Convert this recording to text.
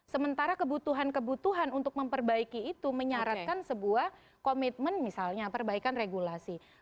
sementara kebutuhan kebutuhan untuk memperbaiki itu menyaratkan sebuah komitmen misalnya perbaikan regulasi